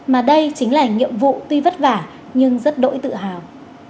mà đây chính là nhiệm vụ tuy vất vả nhưng rất đỗi tự hào